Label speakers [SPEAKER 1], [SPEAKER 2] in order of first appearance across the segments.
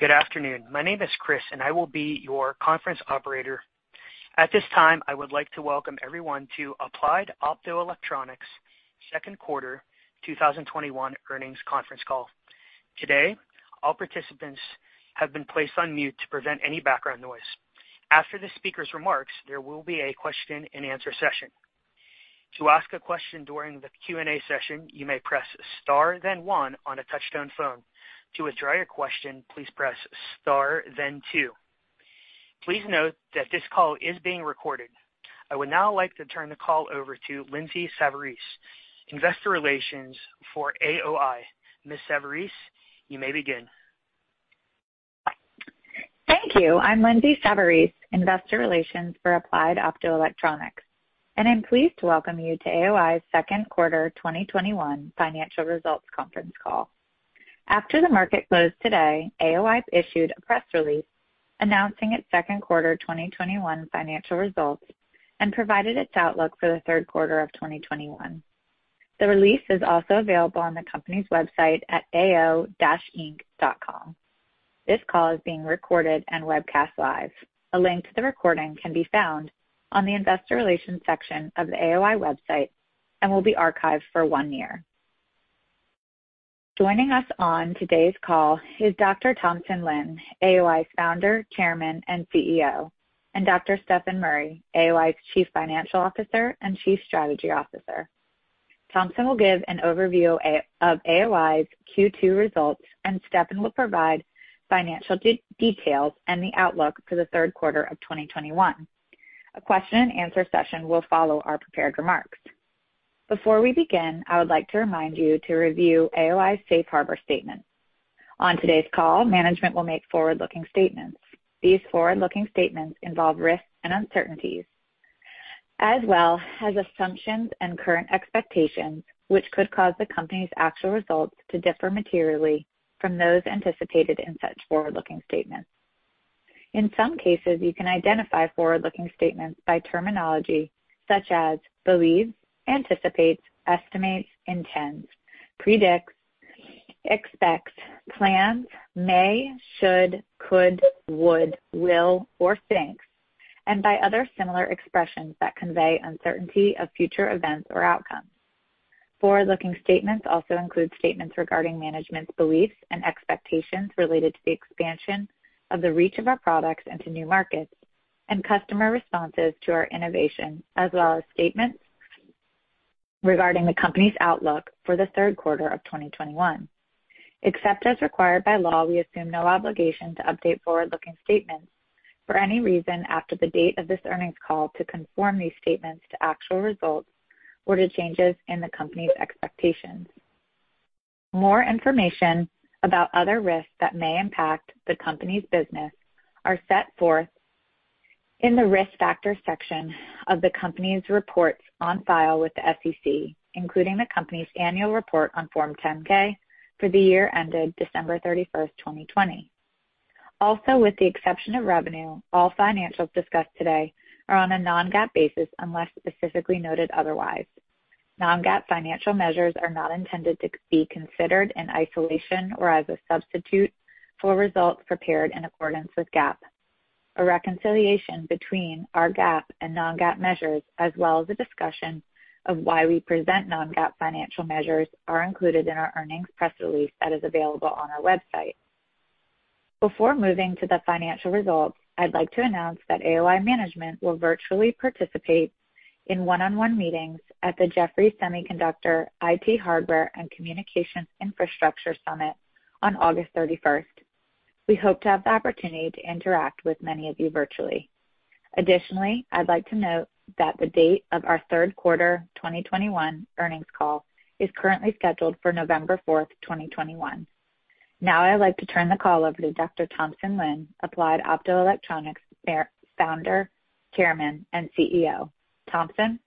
[SPEAKER 1] Good afternoon. My name is Chris. I will be your conference operator. At this time, I would like to welcome everyone to Applied Optoelectronics second quarter 2021 earnings conference call. Today, all participants have been placed on mute to prevent any background noise. After the speaker's remarks, there will be a question and answer session. To ask a question during the Q&A session, you may press star then one on a touch-tone phone. To withdraw your question, please press star then two. Please note that this call is being recorded. I would now like to turn the call over to Lindsay Savarese, investor relations for AOI. Ms. Savarese, you may begin.
[SPEAKER 2] Thank you. I'm Lindsay Savarese, investor relations for Applied Optoelectronics, and I'm pleased to welcome you to AOI's 2nd quarter 2021 financial results conference call. After the market closed today, AOI issued a press release announcing its second quarter 2021 financial results and provided its outlook for the third quarter of 2021. The release is also available on the company's website at ao-inc.com. This call is being recorded and webcast live. A link to the recording can be found on the investor relations section of the AOI website and will be archived for one year. Joining us on today's call is Dr. Thompson Lin, AOI's Founder, Chairman, and CEO, and Dr. Stefan Murry, AOI's Chief Financial Officer and Chief Strategy Officer. Thompson will give an overview of AOI's Q2 results, and Stefan will provide financial details and the outlook for the third quarter of 2021. A question and answer session will follow our prepared remarks. Before we begin, I would like to remind you to review AOI's safe harbor statement. On today's call, management will make forward-looking statements. These forward-looking statements involve risks and uncertainties as well as assumptions and current expectations, which could cause the company's actual results to differ materially from those anticipated in such forward-looking statements. In some cases, you can identify forward-looking statements by terminology such as believes, anticipates, estimates, intends, predicts, expects, plans, may, should, could, would, will, or thinks, and by other similar expressions that convey uncertainty of future events or outcomes. Forward-looking statements also include statements regarding management's beliefs and expectations related to the expansion of the reach of our products into new markets and customer responses to our innovation, as well as statements regarding the company's outlook for the third quarter of 2021. Except as required by law, we assume no obligation to update forward-looking statements for any reason after the date of this earnings call to conform these statements to actual results or to changes in the company's expectations. More information about other risks that may impact the company's business are set forth in the risk factors section of the company's reports on file with the SEC, including the company's annual report on Form 10-K for the year ended December 31st, 2020. With the exception of revenue, all financials discussed today are on a non-GAAP basis unless specifically noted otherwise. Non-GAAP financial measures are not intended to be considered in isolation or as a substitute for results prepared in accordance with GAAP. A reconciliation between our GAAP and non-GAAP measures, as well as a discussion of why we present non-GAAP financial measures, are included in our earnings press release that is available on our website. Before moving to the financial results, I'd like to announce that AOI management will virtually participate in one-on-one meetings at the Jefferies Semiconductor, IT Hardware & Communications Infrastructure Summit on August 31st. We hope to have the opportunity to interact with many of you virtually. Additionally, I'd like to note that the date of our third quarter 2021 earnings call is currently scheduled for November 4th, 2021. Now I'd like to turn the call over to Dr. Thompson Lin, Applied Optoelectronics Founder, Chairman, and CEO. Thompson?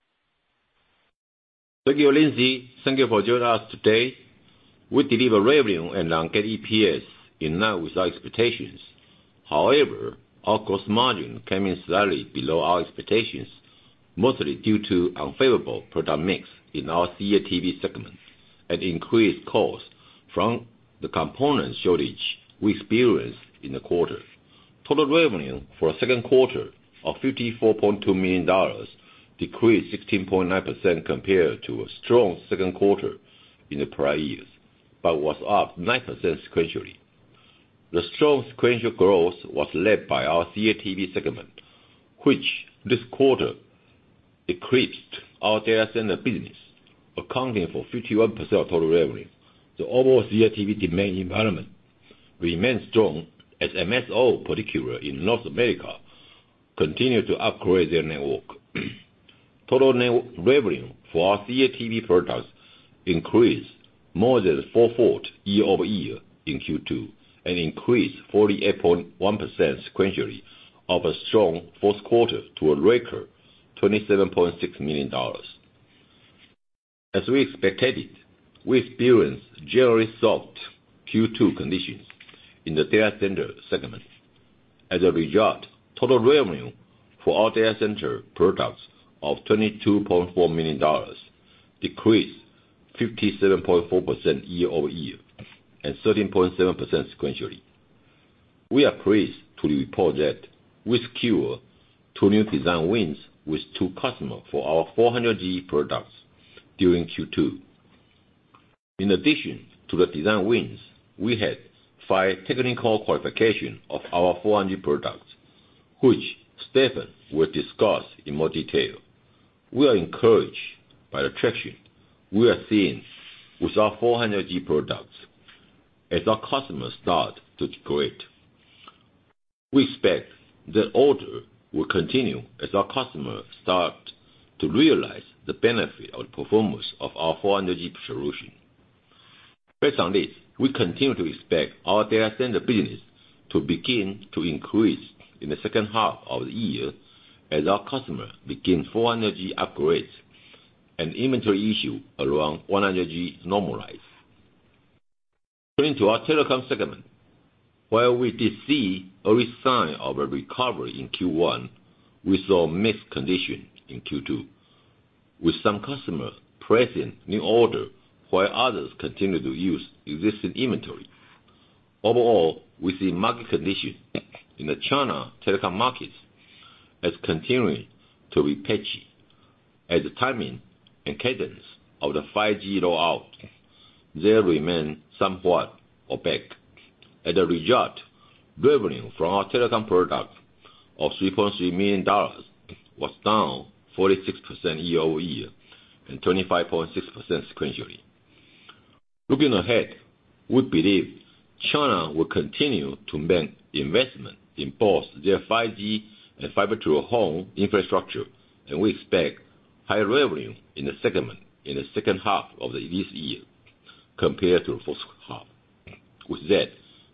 [SPEAKER 3] Thank you, Lindsay. Thank you for joining us today. We delivered revenue and non-GAAP EPS in line with our expectations. However, our gross margin came in slightly below our expectations, mostly due to unfavorable product mix in our CATV segment and increased costs from the component shortage we experienced in the quarter. Total revenue for the second quarter of $54.2 million decreased 16.9% compared to a strong second quarter in the prior years, but was up 9% sequentially. The strong sequential growth was led by our CATV segment, which this quarter eclipsed our data center business, accounting for 51% of total revenue. The overall CATV demand environment remains strong as MSO, particularly in North America, continue to upgrade their network. Total revenue for our CATV products increased more than 4x year-over-year in Q2 and increased 48.1% sequentially off a strong first quarter to a record $27.6 million. As we expected, we experienced generally soft Q2 conditions in the data center segment. As a result, total revenue for all data center products of $22.4 million decreased 57.4% year-over-year and 13.7% sequentially. We are pleased to report that we secured two new design wins with two customers for our 400G products during Q2. In addition to the design wins, we had five technical qualifications of our 400G products, which Stefan will discuss in more detail. We are encouraged by the traction we are seeing with our 400G products as our customers start to deploy. We expect the order will continue as our customers start to realize the benefit of the performance of our 400G solution. Based on this, we continue to expect our data center business to begin to increase in the second half of the year as our customer begin 400G upgrades and inventory issue around 100G normalize. Turning to our telecom segment, while we did see early sign of a recovery in Q1, we saw mixed condition in Q2, with some customers placing new order while others continue to use existing inventory. Overall, we see market condition in the China telecom markets as continuing to be patchy, as the timing and cadence of the 5G rollout there remain somewhat opaque. As a result, revenue from our telecom product of $3.3 million was down 46% year-over-year and 25.6% sequentially. Looking ahead, we believe China will continue to make investment in both their 5G and fiber to home infrastructure, and we expect higher revenue in the segment in the second half of this year compared to the first half. With that,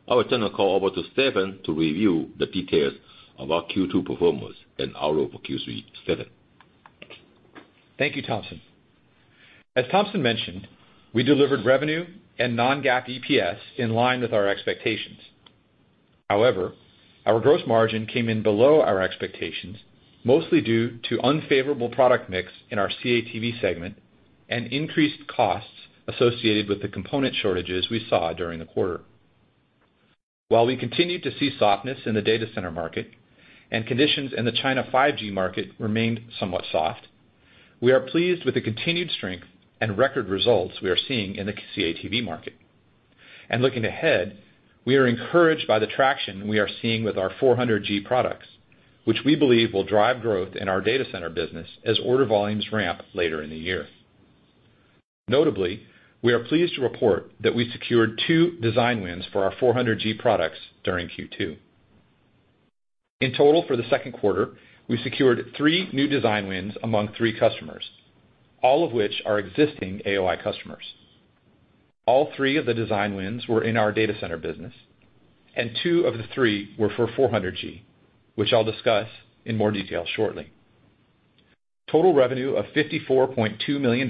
[SPEAKER 3] I will turn the call over to Stefan to review the details of our Q2 performance and outlook for Q3. Stefan?
[SPEAKER 4] Thank you, Thompson. As Thompson mentioned, we delivered revenue and non-GAAP EPS in line with our expectations. However, our gross margin came in below our expectations, mostly due to unfavorable product mix in our CATV segment and increased costs associated with the component shortages we saw during the quarter. While we continued to see softness in the data center market and conditions in the China 5G market remained somewhat soft, we are pleased with the continued strength and record results we are seeing in the CATV market. Looking ahead, we are encouraged by the traction we are seeing with our 400G products, which we believe will drive growth in our data center business as order volumes ramp later in the year. Notably, we are pleased to report that we secured two design wins for our 400G products during Q2. In total for the second quarter, we secured three new design wins among three customers, all of which are existing AOI customers. All three of the design wins were in our data center business, and two of the three were for 400G, which I'll discuss in more detail shortly. Total revenue of $54.2 million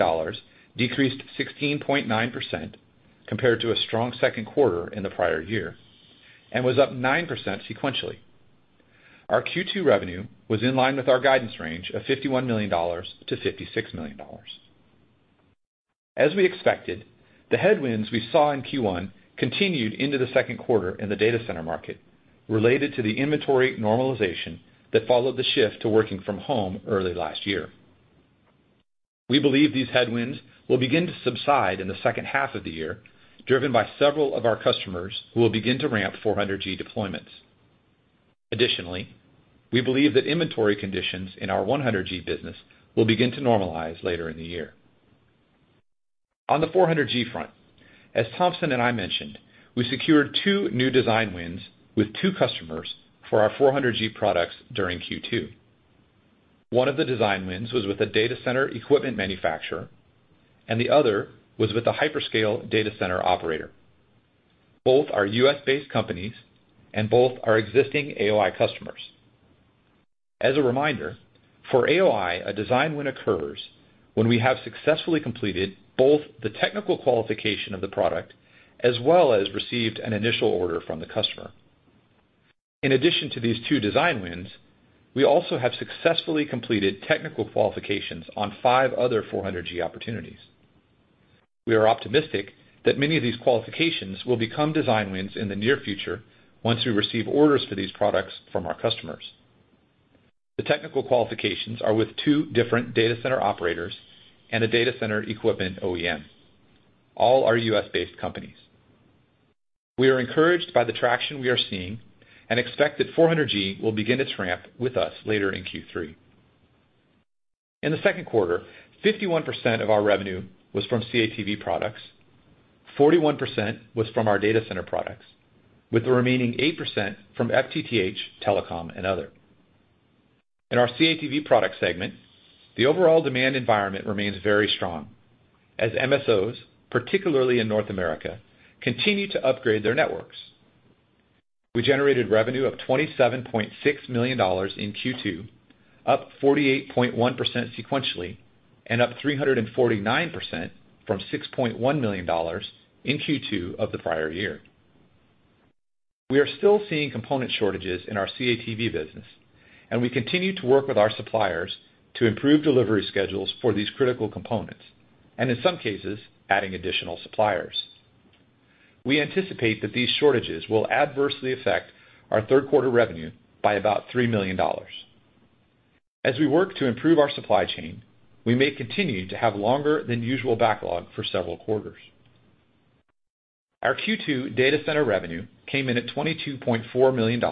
[SPEAKER 4] decreased 16.9% compared to a strong second quarter in the prior year and was up 9% sequentially. Our Q2 revenue was in line with our guidance range of $51 million-$56 million. As we expected, the headwinds we saw in Q1 continued into the second quarter in the data center market related to the inventory normalization that followed the shift to working from home early last year. We believe these headwinds will begin to subside in the second half of the year, driven by several of our customers who will begin to ramp 400G deployments. Additionally, we believe that inventory conditions in our 100G business will begin to normalize later in the year. On the 400G front, as Thompson and I mentioned, we secured two new design wins with two customers for our 400G products during Q2. One of the design wins was with a data center equipment manufacturer, and the other was with a hyperscale data center operator. Both are U.S.-based companies and both are existing AOI customers. As a reminder, for AOI, a design win occurs when we have successfully completed both the technical qualification of the product as well as received an initial order from the customer. In addition to these two design wins, we also have successfully completed technical qualifications on five other 400G opportunities. We are optimistic that many of these qualifications will become design wins in the near future once we receive orders for these products from our customers. The technical qualifications are with two different data center operators and a data center equipment OEM. All are U.S.-based companies. We are encouraged by the traction we are seeing and expect that 400G will begin its ramp with us later in Q3. In the second quarter, 51% of our revenue was from CATV products, 41% was from our data center products, with the remaining 8% from FTTH, telecom, and other. In our CATV product segment, the overall demand environment remains very strong as MSOs, particularly in North America, continue to upgrade their networks. We generated revenue of $27.6 million in Q2, up 48.1% sequentially, and up 349% from $6.1 million in Q2 of the prior year. We are still seeing component shortages in our CATV business, and we continue to work with our suppliers to improve delivery schedules for these critical components, and in some cases, adding additional suppliers. We anticipate that these shortages will adversely affect our third quarter revenue by $3 million. As we work to improve our supply chain, we may continue to have longer than usual backlog for several quarters. Our Q2 data center revenue came in at $22.4 million,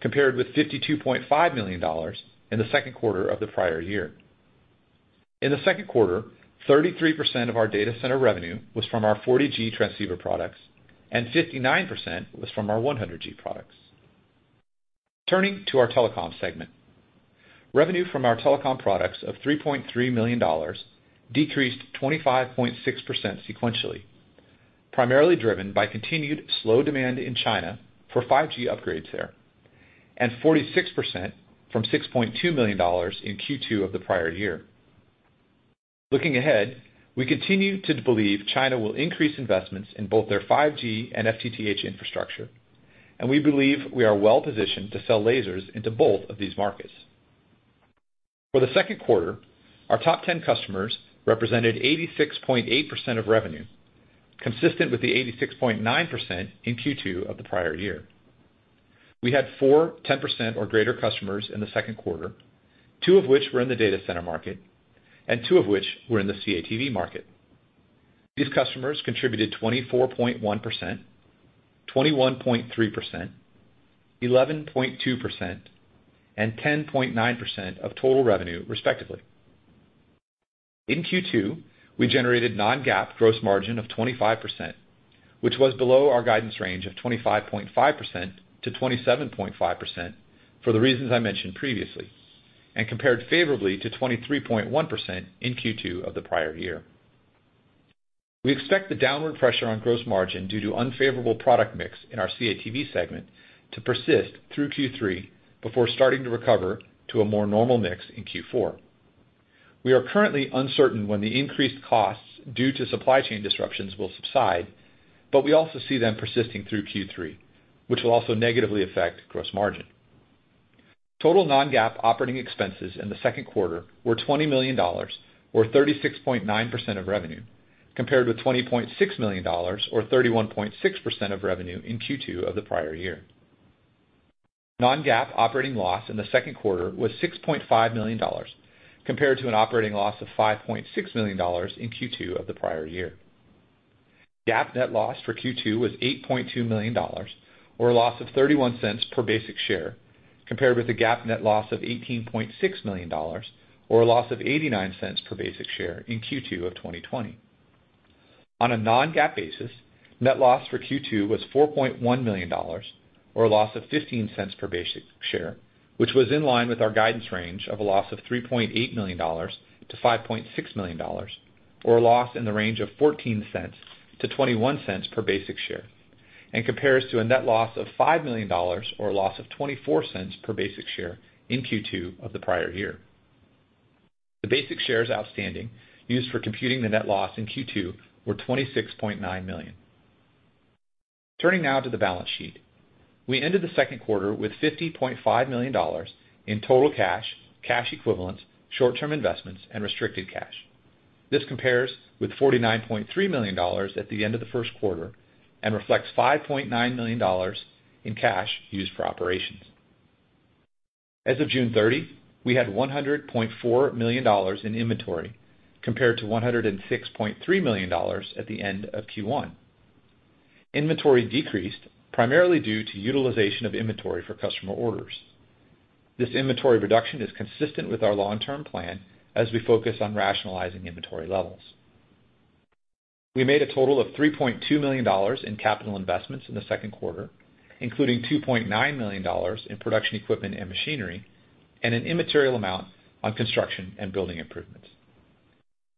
[SPEAKER 4] compared with $52.5 million in the second quarter of the prior year. In the second quarter, 33% of our data center revenue was from our 40G transceiver products and 59% was from our 100G products. Turning to our telecom segment. Revenue from our telecom products of $3.3 million decreased 25.6% sequentially, primarily driven by continued slow demand in China for 5G upgrades there, and 46% from $6.2 million in Q2 of the prior year. Looking ahead, we continue to believe China will increase investments in both their 5G and FTTH infrastructure, and we believe we are well-positioned to sell lasers into both of these markets. For the second quarter, our top 10 customers represented 86.8% of revenue, consistent with the 86.9% in Q2 of the prior year. We had four 10% or greater customers in the second quarter, two of which were in the data center market and two of which were in the CATV market. These customers contributed 24.1%, 21.3%, 11.2%, and 10.9% of total revenue, respectively. In Q2, we generated non-GAAP gross margin of 25%, which was below our guidance range of 25.5%-27.5% for the reasons I mentioned previously, and compared favorably to 23.1% in Q2 of the prior year. We expect the downward pressure on gross margin due to unfavorable product mix in our CATV segment to persist through Q3 before starting to recover to a more normal mix in Q4. We are currently uncertain when the increased costs due to supply chain disruptions will subside, but we also see them persisting through Q3, which will also negatively affect gross margin. Total non-GAAP operating expenses in the second quarter were $20 million, or 36.9% of revenue, compared with $20.6 million, or 31.6% of revenue in Q2 of the prior year. Non-GAAP operating loss in the second quarter was $6.5 million, compared to an operating loss of $5.6 million in Q2 of the prior year. GAAP net loss for Q2 was $8.2 million, or a loss of $0.31 per basic share, compared with a GAAP net loss of $18.6 million, or a loss of $0.89 per basic share in Q2 of 2020. On a non-GAAP basis, net loss for Q2 was $4.1 million, or a loss of $0.15 per basic share, which was in line with our guidance range of a loss of $3.8 million-$5.6 million, or a loss in the range of $0.14-$0.21 per basic share, and compares to a net loss of $5 million, or a loss of $0.24 per basic share in Q2 of the prior year. The basic shares outstanding used for computing the net loss in Q2 were 26.9 million. Turning now to the balance sheet. We ended the second quarter with $50.5 million in total cash equivalents, short-term investments, and restricted cash. This compares with $49.3 million at the end of the first quarter and reflects $5.9 million in cash used for operations. As of June 30, we had $100.4 million in inventory compared to $106.3 million at the end of Q1. Inventory decreased primarily due to utilization of inventory for customer orders. This inventory reduction is consistent with our long-term plan as we focus on rationalizing inventory levels. We made a total of $3.2 million in capital investments in the second quarter, including $2.9 million in production equipment and machinery, and an immaterial amount on construction and building improvements.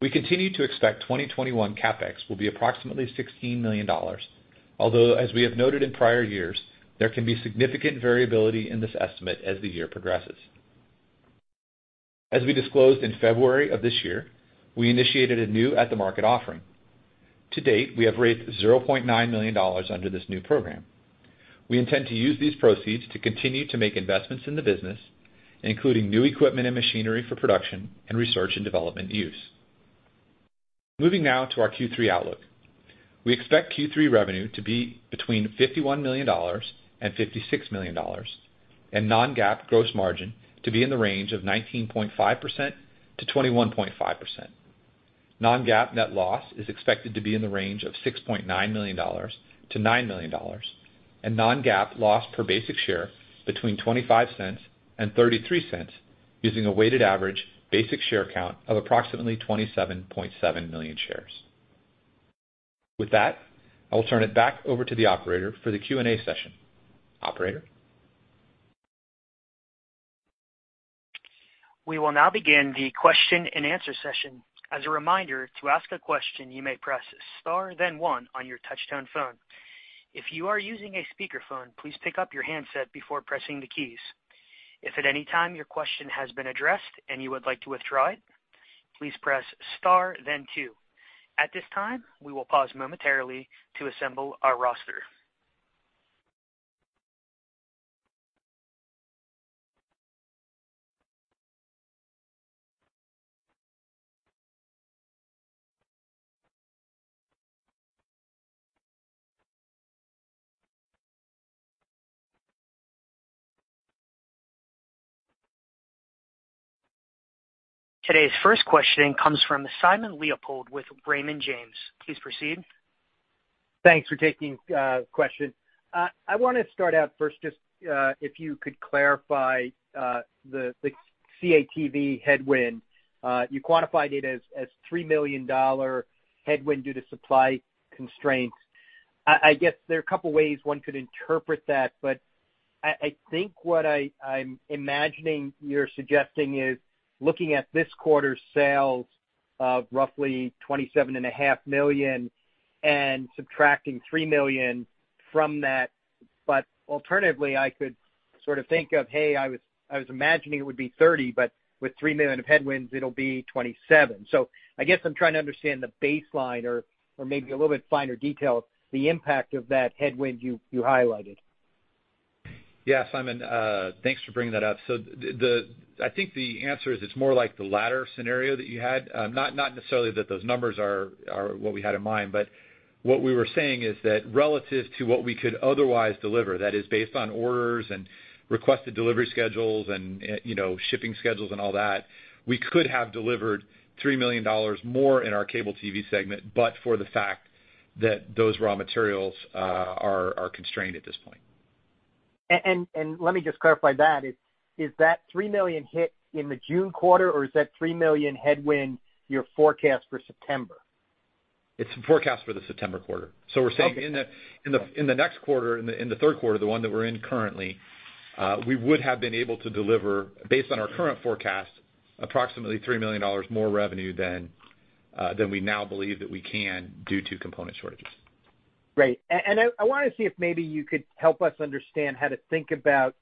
[SPEAKER 4] We continue to expect 2021 CapEx will be approximately $16 million. Although, as we have noted in prior years, there can be significant variability in this estimate as the year progresses. As we disclosed in February of this year, we initiated a new at-the-market offering. To date, we have raised $900,000 under this new program. We intend to use these proceeds to continue to make investments in the business, including new equipment and machinery for production and research and development use. Moving now to our Q3 outlook. We expect Q3 revenue to be between $51 million and $56 million, and non-GAAP gross margin to be in the range of 19.5%-21.5%. Non-GAAP net loss is expected to be in the range of $6.9 million-$9 million, and non-GAAP loss per basic share between $0.25 and $0.33 using a weighted average basic share count of approximately 27.7 million shares. With that, I will turn it back over to the operator for the Q&A session. Operator?
[SPEAKER 1] Today's first questioning comes from Simon Leopold with Raymond James. Please proceed.
[SPEAKER 5] Thanks for taking a question. I want to start out first, just if you could clarify the CATV headwind. You quantified it as $3 million headwind due to supply constraints. I guess there are a couple of ways one could interpret that. I think what I'm imagining you're suggesting is looking at this quarter's sales of roughly $27.5 million and subtracting $3 million from that. Alternatively, I could sort of think of, hey, I was imagining it would be $30 million, but with $3 million of headwinds, it'll be $27 million. I guess I'm trying to understand the baseline or maybe a little bit finer detail, the impact of that headwind you highlighted.
[SPEAKER 4] Simon, thanks for bringing that up. I think the answer is it's more like the latter scenario that you had. Not necessarily that those numbers are what we had in mind, but what we were saying is that relative to what we could otherwise deliver, that is based on orders and requested delivery schedules and shipping schedules and all that, we could have delivered $3 million more in our cable TV segment, but for the fact that those raw materials are constrained at this point.
[SPEAKER 5] Let me just clarify that. Is that $3 million hit in the June quarter, or is that $3 million headwind your forecast for September?
[SPEAKER 4] It's forecast for the September quarter.
[SPEAKER 5] Okay.
[SPEAKER 4] We're saying in the next quarter, in the third quarter, the one that we're in currently, we would have been able to deliver, based on our current forecast, approximately $3 million more revenue than we now believe that we can due to component shortages.
[SPEAKER 5] Great. I want to see if maybe you could help us understand how to think about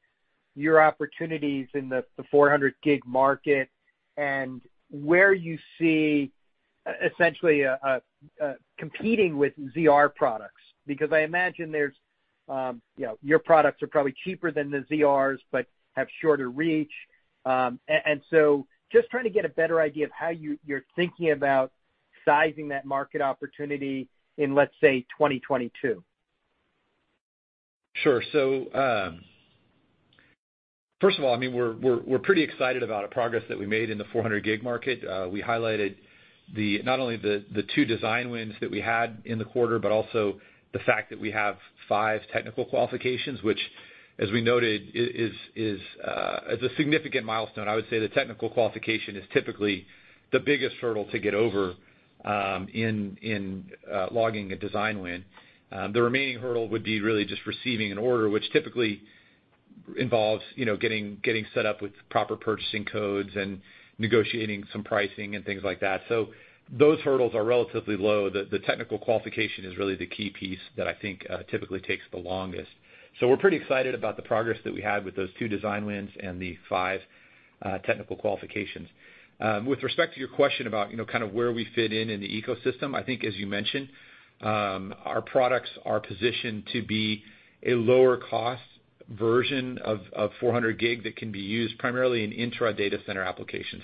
[SPEAKER 5] your opportunities in the 400G market and where you see essentially competing with ZR products. I imagine your products are probably cheaper than the ZRs, but have shorter reach. Just trying to get a better idea of how you're thinking about sizing that market opportunity in, let's say, 2022.
[SPEAKER 4] Sure. First of all, we're pretty excited about a progress that we made in the 400G market. We highlighted not only the two design wins that we had in the quarter, but also the fact that we have five technical qualifications, which, as we noted, is a significant milestone. I would say the technical qualification is typically the biggest hurdle to get over in logging a design win. The remaining hurdle would be really just receiving an order, which typically involves getting set up with proper purchasing codes and negotiating some pricing and things like that. Those hurdles are relatively low. The technical qualification is really the key piece that I think typically takes the longest. We're pretty excited about the progress that we had with those two design wins and the five technical qualifications. With respect to your question about where we fit in in the ecosystem, I think as you mentioned, our products are positioned to be a lower cost version of 400G that can be used primarily in intra data center applications.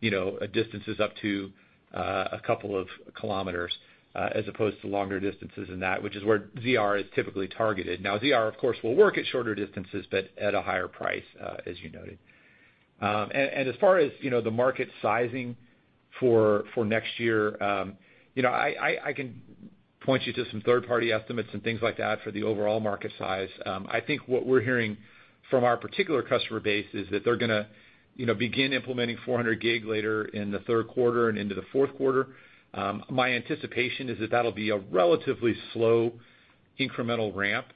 [SPEAKER 4] Distances up to 2 km as opposed to longer distances than that, which is where ZR is typically targeted. Now, ZR, of course, will work at shorter distances, but at a higher price, as you noted. As far as the market sizing for next year, I can point you to some third-party estimates and things like that for the overall market size. I think what we're hearing from our particular customer base is that they're going to begin implementing 400G later in the third quarter and into the fourth quarter. My anticipation is that that'll be a relatively slow incremental ramp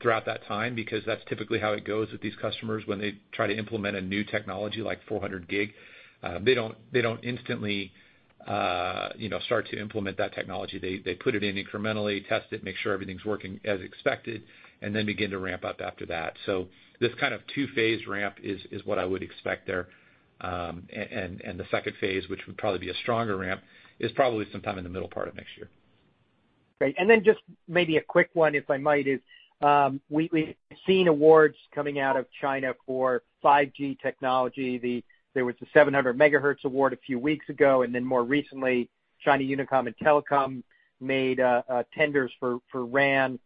[SPEAKER 4] throughout that time, because that's typically how it goes with these customers when they try to implement a new technology like 400G. They don't instantly start to implement that technology. They put it in incrementally, test it, make sure everything's working as expected, and then begin to ramp up after that. This kind of two-phase ramp is what I would expect there. The second phase, which would probably be a stronger ramp, is probably sometime in the middle part of next year.
[SPEAKER 5] Great. Then just maybe a quick one, if I might, is we've seen awards coming out of China for 5G technology. There was the 700 MHz award a few weeks ago. More recently, China Unicom and China Telecom made tenders for RAN.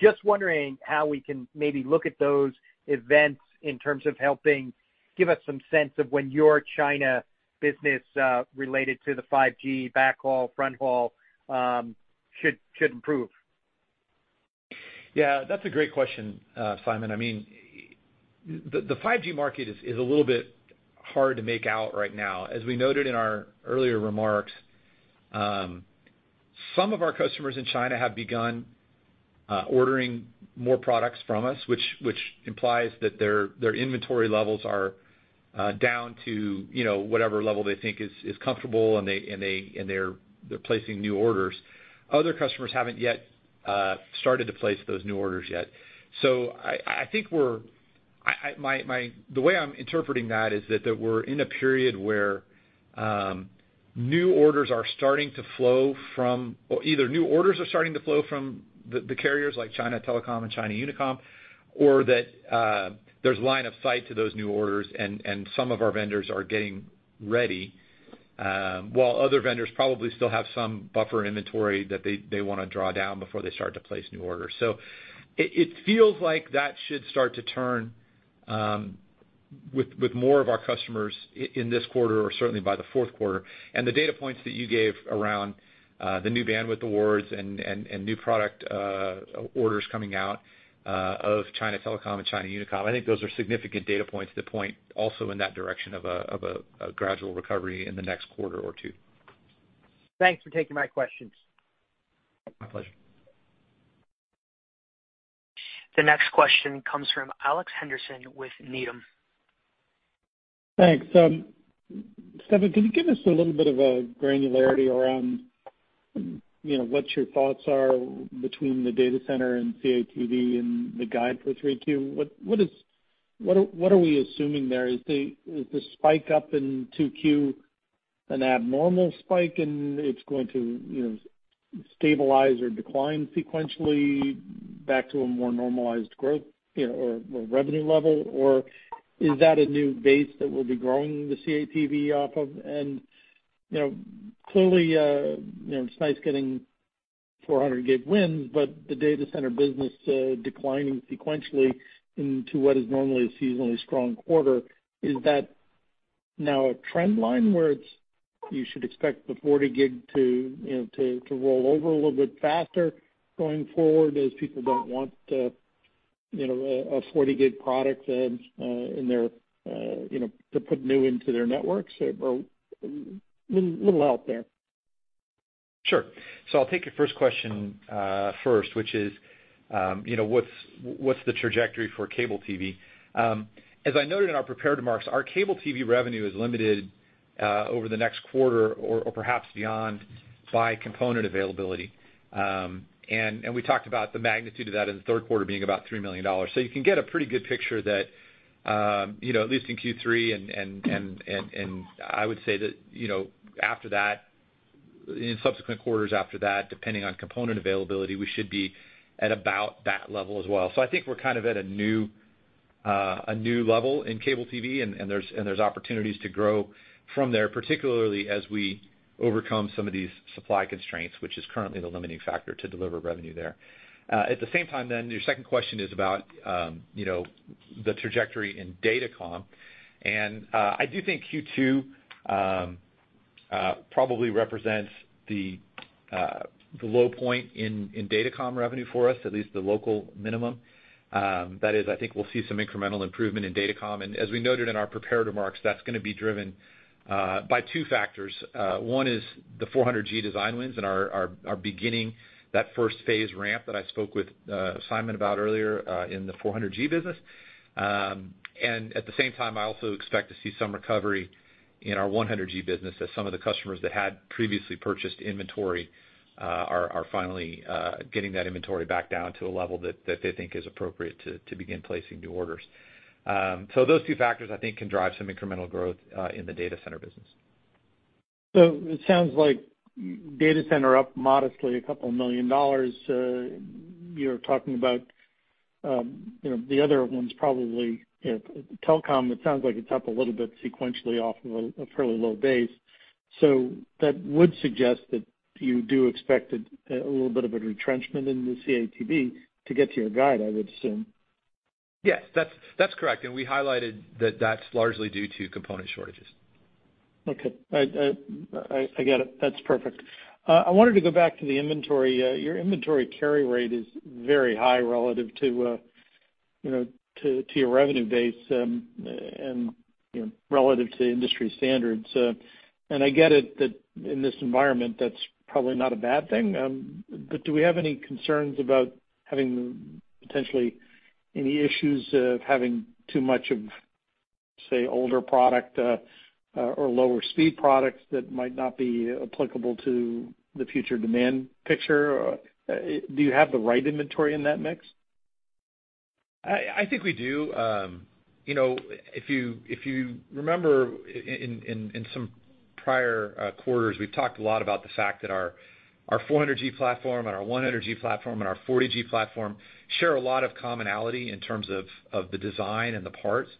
[SPEAKER 5] Just wondering how we can maybe look at those events in terms of helping give us some sense of when your China business related to the 5G backhaul, fronthaul should improve.
[SPEAKER 4] Yeah, that's a great question, Simon. The 5G market is a little bit hard to make out right now. As we noted in our earlier remarks, some of our customers in China have begun ordering more products from us, which implies that their inventory levels are down to whatever level they think is comfortable, and they're placing new orders. Other customers haven't yet started to place those new orders yet. The way I'm interpreting that is that we're in a period where either new orders are starting to flow from the carriers like China Telecom and China Unicom, or that there's line of sight to those new orders and some of our vendors are getting ready, while other vendors probably still have some buffer inventory that they want to draw down before they start to place new orders. It feels like that should start to turn with more of our customers in this quarter or certainly by the fourth quarter. The data points that you gave around the new bandwidth awards and new product orders coming out of China Telecom and China Unicom, I think those are significant data points that point also in that direction of a gradual recovery in the next quarter or two.
[SPEAKER 5] Thanks for taking my questions.
[SPEAKER 4] My pleasure.
[SPEAKER 1] The next question comes from Alex Henderson with Needham.
[SPEAKER 6] Thanks. Stefan, can you give us a little bit of a granularity around what your thoughts are between the data center and CATV and the guide for 3Q? What are we assuming there? Is the spike up in 2Q an abnormal spike and it's going to stabilize or decline sequentially back to a more normalized growth or revenue level? Or is that a new base that we'll be growing the CATV off of? Clearly, it's nice getting 400G wins, but the data center business declining sequentially into what is normally a seasonally strong quarter. Is that now a trend line where you should expect the 40G to roll over a little bit faster going forward as people don't want a 40G product to put new into their networks? A little help there.
[SPEAKER 4] Sure. I'll take your first question first, which is, what's the trajectory for cable TV? As I noted in our prepared remarks, our cable TV revenue is limited over the next quarter or perhaps beyond, by component availability. We talked about the magnitude of that in the third quarter being about $3 million. You can get a pretty good picture that at least in Q3 and I would say that in subsequent quarters after that, depending on component availability, we should be at about that level as well. I think we're at a new level in cable TV, and there's opportunities to grow from there, particularly as we overcome some of these supply constraints, which is currently the limiting factor to deliver revenue there. At the same time then, your second question is about the trajectory in datacom. I do think Q2 probably represents the low point in datacom revenue for us, at least the local minimum. That is, I think we'll see some incremental improvement in datacom. As we noted in our prepared remarks, that's going to be driven by two factors. One is the 400G design wins and our beginning that first phase ramp that I spoke with Simon about earlier, in the 400G business. At the same time, I also expect to see some recovery in our 100G business as some of the customers that had previously purchased inventory are finally getting that inventory back down to a level that they think is appropriate to begin placing new orders. Those two factors, I think, can drive some incremental growth in the data center business.
[SPEAKER 6] It sounds like data center up modestly a couple million dollars. You're talking about the other one's probably telecom. It sounds like it's up a little bit sequentially off of a fairly low base. That would suggest that you do expect a little bit of a retrenchment in the CATV to get to your guide, I would assume.
[SPEAKER 4] Yes, that's correct. We highlighted that that's largely due to component shortages.
[SPEAKER 6] Okay. I get it. That's perfect. I wanted to go back to the inventory. Your inventory carry rate is very high relative to your revenue base and relative to industry standards. I get it that in this environment, that's probably not a bad thing. Do we have any concerns about having potentially any issues of having too much of, say, older product or lower speed products that might not be applicable to the future demand picture? Do you have the right inventory in that mix?
[SPEAKER 4] I think we do. If you remember in some prior quarters, we've talked a lot about the fact that our 400G platform and our 100G platform and our 40G platform share a lot of commonality in terms of the design and the parts.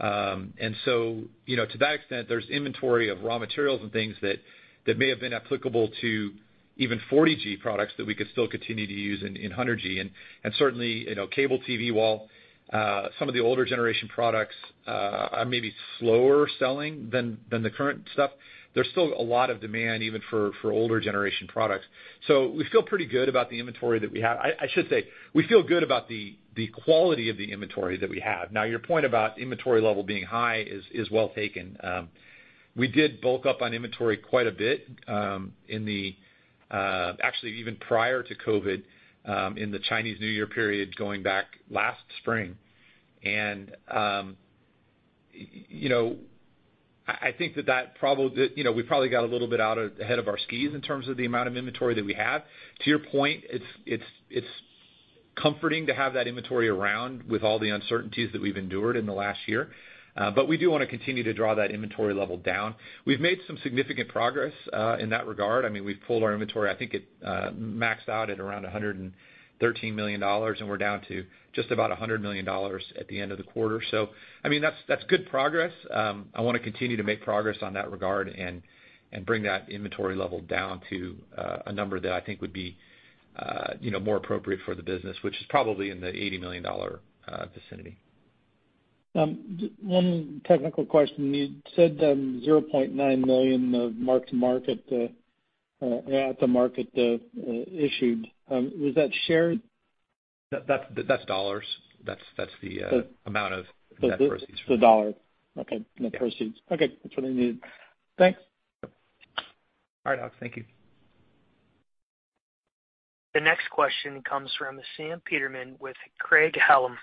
[SPEAKER 4] To that extent, there's inventory of raw materials and things that may have been applicable to even 40G products that we could still continue to use in 100G. Certainly, cable TV, while some of the older generation products are maybe slower selling than the current stuff, there's still a lot of demand even for older generation products. We feel pretty good about the inventory that we have. I should say, we feel good about the quality of the inventory that we have. Now, your point about inventory level being high is well taken. We did bulk up on inventory quite a bit, actually even prior to COVID, in the Chinese New Year period going back last spring. I think that we probably got a little bit out ahead of our skis in terms of the amount of inventory that we have. To your point, it's comforting to have that inventory around with all the uncertainties that we've endured in the last year. We do want to continue to draw that inventory level down. We've made some significant progress in that regard. We've pulled our inventory, I think it maxed out at around $113 million, and we're down to just about $100 million at the end of the quarter. That's good progress. I want to continue to make progress on that regard and bring that inventory level down to a number that I think would be more appropriate for the business, which is probably in the $80 million vicinity.
[SPEAKER 6] One technical question. You said $900,000 of mark-to-market, at-the-market issued. Was that shared?
[SPEAKER 4] That's dollars. That's the amount of net proceeds.
[SPEAKER 6] The US dollar. Okay.
[SPEAKER 4] Yeah.
[SPEAKER 6] Net proceeds. Okay. That's what I needed. Thanks.
[SPEAKER 4] Yep. All right, Alex, thank you.
[SPEAKER 1] The next question comes from Sam Peterman with Craig-Hallum.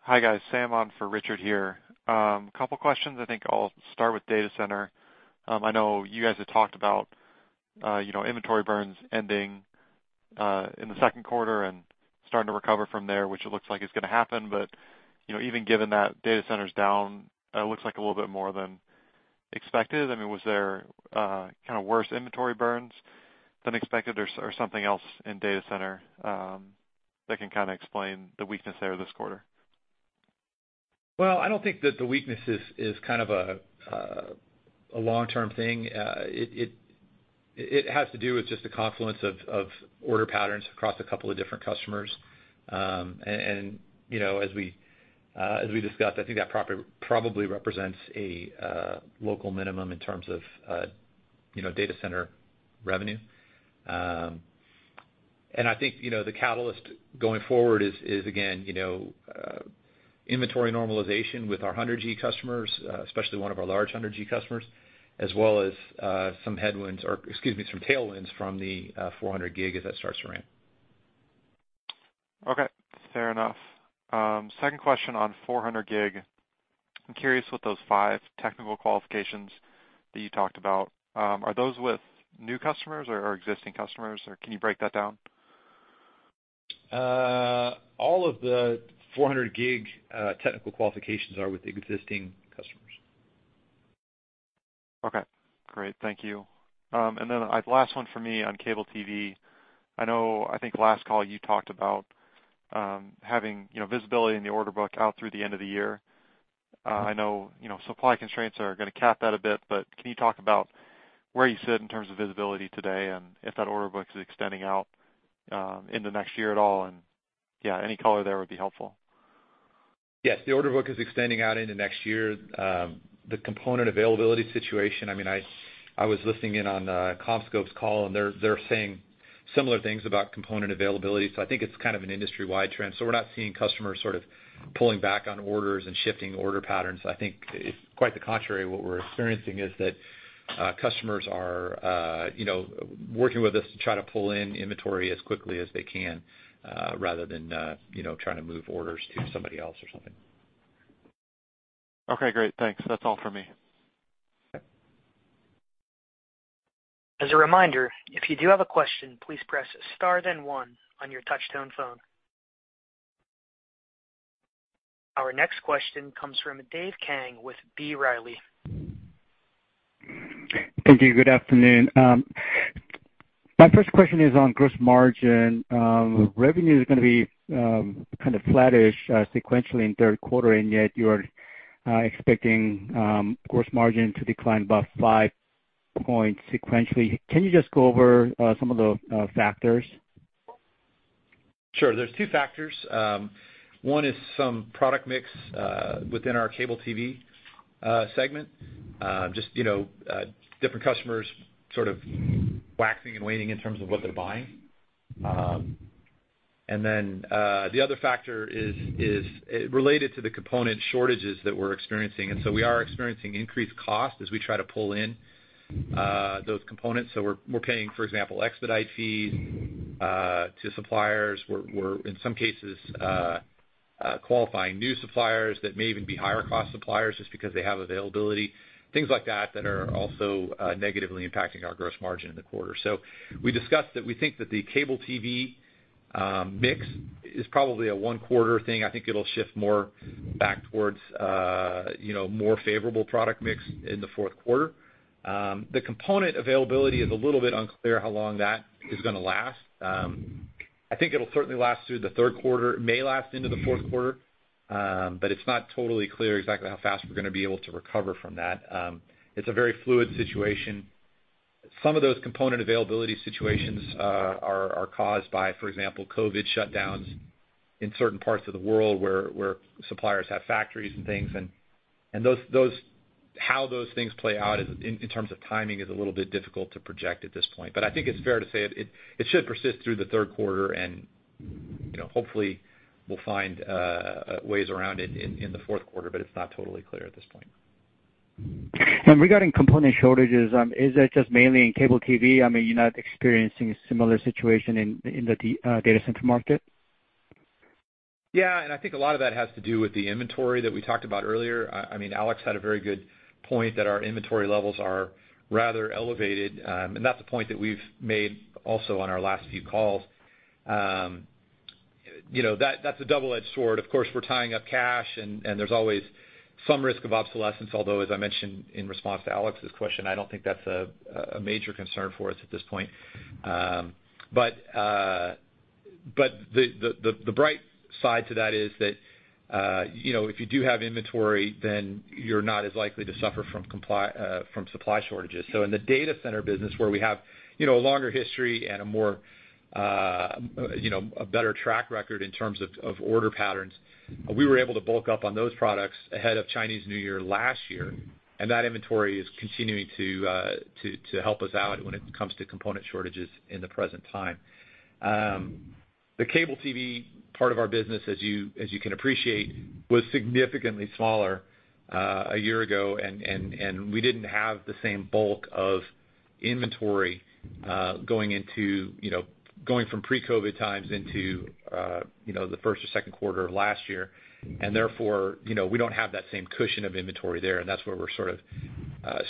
[SPEAKER 7] Hi, guys. Sam on for Richard here. Couple of questions. I think I'll start with data center. I know you guys had talked about inventory burns ending in the second quarter and starting to recover from there, which it looks like is going to happen. Even given that, data center's down, it looks like a little bit more than expected. Was there kind of worse inventory burns than expected or something else in data center that can kind of explain the weakness there this quarter?
[SPEAKER 4] Well, I don't think that the weakness is kind of a long-term thing. It has to do with just the confluence of order patterns across a couple of different customers. As we discussed, I think that probably represents a local minimum in terms of data center revenue. I think, the catalyst going forward is, again, inventory normalization with our 100G customers, especially one of our large 100G customers, as well as some headwinds or, excuse me, some tailwinds from the 400G as that starts to ramp.
[SPEAKER 7] Okay. Fair enough. Second question on 400G. I'm curious what those five technical qualifications that you talked about. Are those with new customers or existing customers? Can you break that down?
[SPEAKER 4] All of the 400G technical qualifications are with existing customers.
[SPEAKER 7] Okay, great. Thank you. Last one from me on cable TV. I know, I think last call, you talked about having visibility in the order book out through the end of the year. I know supply constraints are going to cap that a bit, but can you talk about where you sit in terms of visibility today and if that order book is extending out into next year at all, and yeah, any color there would be helpful.
[SPEAKER 4] Yes, the order book is extending out into next year. The component availability situation, I was listening in on CommScope's call, they're saying similar things about component availability. I think it's kind of an industry-wide trend, we're not seeing customers sort of pulling back on orders and shifting order patterns. I think it's quite the contrary. What we're experiencing is that customers are working with us to try to pull in inventory as quickly as they can, rather than trying to move orders to somebody else or something.
[SPEAKER 7] Okay, great. Thanks. That's all for me.
[SPEAKER 4] Okay.
[SPEAKER 1] Our next question comes from Dave Kang with B. Riley.
[SPEAKER 8] Thank you. Good afternoon. My first question is on gross margin. Revenue is going to be kind of flattish sequentially in third quarter, yet you are expecting gross margin to decline about five points sequentially. Can you just go over some of the factors?
[SPEAKER 4] Sure. There's two factors. One is some product mix within our cable TV segment. Just different customers sort of waxing and waning in terms of what they're buying. The other factor is related to the component shortages that we're experiencing. We are experiencing increased cost as we try to pull in those components. We're paying, for example, expedite fees to suppliers. We're, in some cases, qualifying new suppliers that may even be higher-cost suppliers just because they have availability, things like that are also negatively impacting our gross margin in the quarter. We discussed that we think that the cable TV mix is probably a one-quarter thing. I think it'll shift more back towards more favorable product mix in the fourth quarter. The component availability is a little bit unclear how long that is going to last. I think it'll certainly last through the third quarter, it may last into the fourth quarter. It's not totally clear exactly how fast we're going to be able to recover from that. It's a very fluid situation. Some of those component availability situations are caused by, for example, COVID shutdowns in certain parts of the world where suppliers have factories and things, and how those things play out in terms of timing is a little bit difficult to project at this point. I think it's fair to say it should persist through the third quarter and hopefully, we'll find ways around it in the fourth quarter, but it's not totally clear at this point.
[SPEAKER 8] Regarding component shortages, is that just mainly in cable TV? I mean, you're not experiencing a similar situation in the data center market?
[SPEAKER 4] Yeah, I think a lot of that has to do with the inventory that we talked about earlier. I mean, Alex had a very good point that our inventory levels are rather elevated, and that's a point that we've made also on our last few calls. That's a double-edged sword. Of course, we're tying up cash, and there's always some risk of obsolescence. Although, as I mentioned in response to Alex's question, I don't think that's a major concern for us at this point. The bright side to that is that if you do have inventory, then you're not as likely to suffer from supply shortages. In the data center business, where we have a longer history and a better track record in terms of order patterns, we were able to bulk up on those products ahead of Chinese New Year last year, and that inventory is continuing to help us out when it comes to component shortages in the present time. The cable TV part of our business, as you can appreciate, was significantly smaller a year ago, and we didn't have the same bulk of inventory going from pre-COVID times into the first or second quarter of last year. Therefore, we don't have that same cushion of inventory there, and that's where we're sort of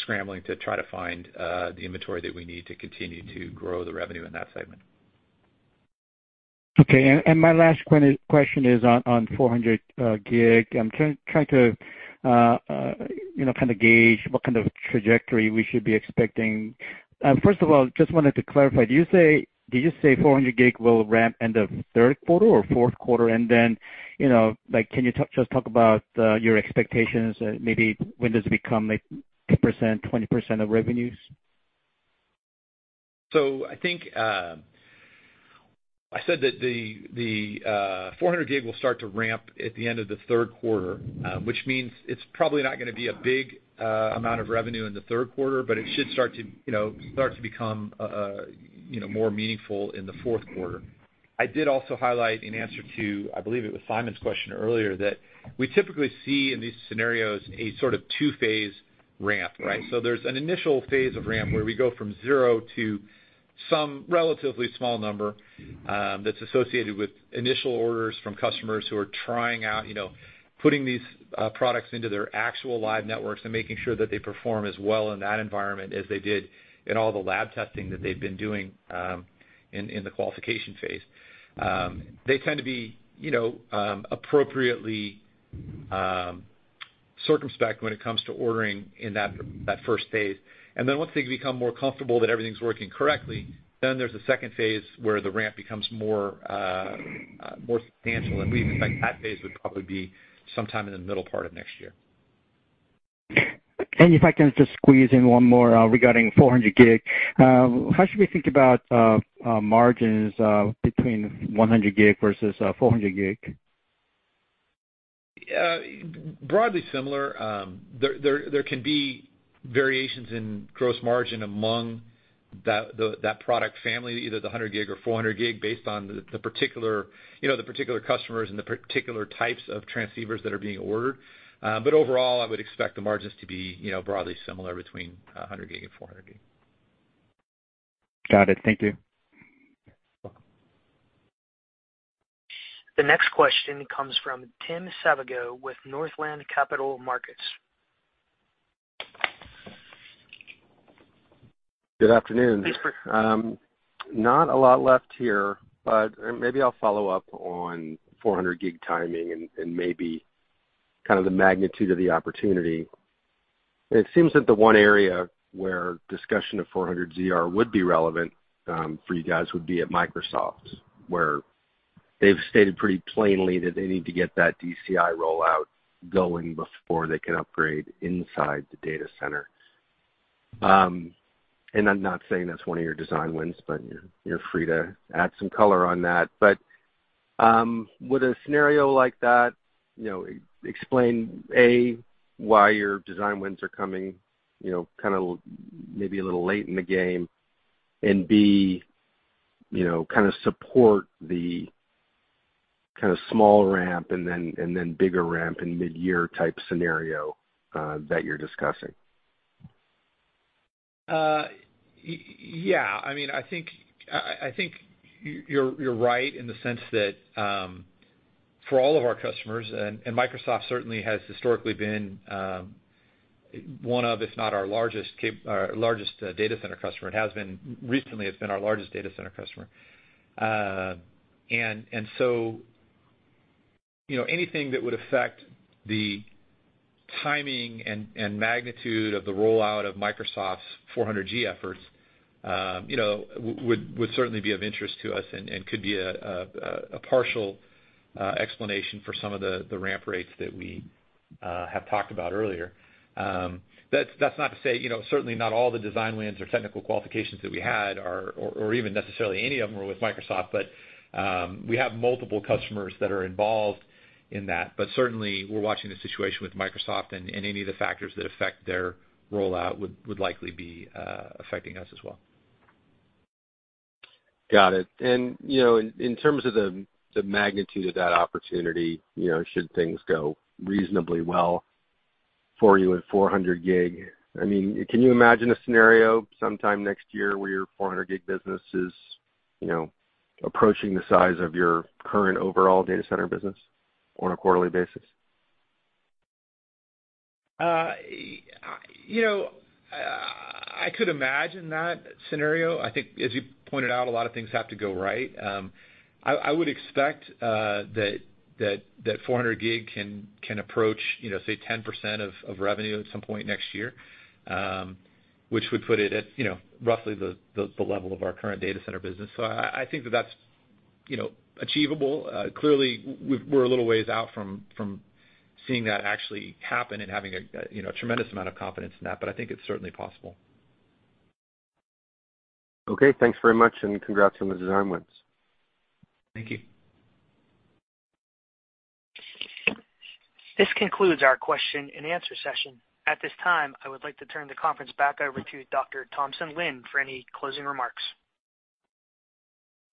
[SPEAKER 4] scrambling to try to find the inventory that we need to continue to grow the revenue in that segment.
[SPEAKER 8] Okay. My last question is on 400G. I'm trying to kind of gauge what kind of trajectory we should be expecting. First of all, just wanted to clarify, did you say 400G will ramp end of third quarter or fourth quarter? Can you just talk about your expectations, maybe when does it become like 10%, 20% of revenues?
[SPEAKER 4] I think I said that the 400G will start to ramp at the end of the third quarter, which means it's probably not gonna be a big amount of revenue in the third quarter, but it should start to become more meaningful in the fourth quarter. I did also highlight in answer to, I believe it was Simon's question earlier, that we typically see in these scenarios a sort of two-phase ramp, right? There's an initial phase of ramp where we go from zero to some relatively small number that's associated with initial orders from customers who are trying out putting these products into their actual live networks and making sure that they perform as well in that environment as they did in all the lab testing that they've been doing in the qualification phase. They tend to be appropriately circumspect when it comes to ordering in that first phase. Once they become more comfortable that everything's working correctly, then there's a second phase where the ramp becomes more substantial, and we think that phase would probably be sometime in the middle part of next year.
[SPEAKER 8] If I can just squeeze in one more regarding 400G. How should we think about margins between 100G versus 400G?
[SPEAKER 4] Broadly similar. There can be variations in gross margin among that product family, either the 100G or 400G, based on the particular customers and the particular types of transceivers that are being ordered. Overall, I would expect the margins to be broadly similar between 100G and 400G.
[SPEAKER 8] Got it. Thank you.
[SPEAKER 4] You're welcome.
[SPEAKER 1] The next question comes from Tim Savageaux with Northland Capital Markets.
[SPEAKER 9] Good afternoon.
[SPEAKER 4] Thanks for-
[SPEAKER 9] Not a lot left here, maybe I'll follow up on 400G timing and maybe kind of the magnitude of the opportunity. It seems that the one area where discussion of 400ZR would be relevant for you guys would be at Microsoft, where they've stated pretty plainly that they need to get that DCI rollout going before they can upgrade inside the data center. I'm not saying that's one of your design wins, but you're free to add some color on that. With a scenario like that, explain, A, why your design wins are coming maybe a little late in the game. B, kind of support the small ramp and then bigger ramp in mid-year type scenario that you're discussing.
[SPEAKER 4] Yeah. I think you're right in the sense that for all of our customers, and Microsoft certainly has historically been one of, if not our largest data center customer. It has been recently, it's been our largest data center customer. Anything that would affect the timing and magnitude of the rollout of Microsoft's 400G efforts would certainly be of interest to us and could be a partial explanation for some of the ramp rates that we have talked about earlier. That's not to say, certainly not all the design wins or technical qualifications that we had or even necessarily any of them were with Microsoft. We have multiple customers that are involved in that. Certainly, we're watching the situation with Microsoft, and any of the factors that affect their rollout would likely be affecting us as well.
[SPEAKER 9] Got it. In terms of the magnitude of that opportunity, should things go reasonably well for you at 400G, can you imagine a scenario sometime next year where your 400G business is approaching the size of your current overall data center business on a quarterly basis?
[SPEAKER 4] I could imagine that scenario. I think as you pointed out, a lot of things have to go right. I would expect that 400G can approach, say, 10% of revenue at some point next year, which would put it at roughly the level of our current data center business. I think that that's achievable. Clearly, we're a little ways out from seeing that actually happen and having a tremendous amount of confidence in that, but I think it's certainly possible.
[SPEAKER 9] Okay. Thanks very much, and congrats on the design wins.
[SPEAKER 4] Thank you.
[SPEAKER 1] This concludes our question and answer session. At this time, I would like to turn the conference back over to Dr. Thompson Lin for any closing remarks.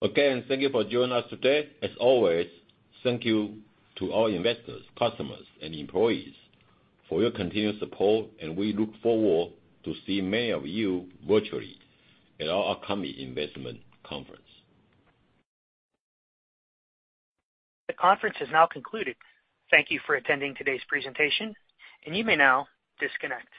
[SPEAKER 3] Again, thank you for joining us today. As always, thank you to our investors, customers and employees for your continued support, and we look forward to see many of you virtually at our upcoming investment conference.
[SPEAKER 1] The conference has now concluded. Thank you for attending today's presentation, and you may now disconnect.